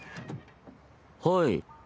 はい。